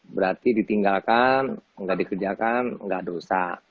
berarti ditinggalkan enggak dikerjakan nggak ada usah